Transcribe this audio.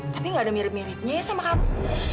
tapi gak ada mirip miripnya ya sama kamu